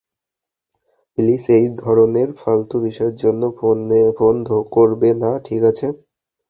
Please, এই ধরনের ফালতু বিষয়ের জন্য ফোন করবে না, ঠিক আছে?